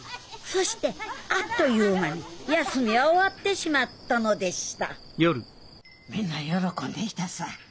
そしてあっという間に休みは終わってしまったのでしたみんな喜んでいたさぁ。